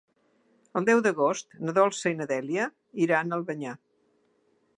El deu d'agost na Dolça i na Dèlia iran a Albanyà.